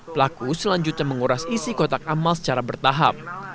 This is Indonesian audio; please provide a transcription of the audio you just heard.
pelaku selanjutnya menguras isi kotak amal secara bertahap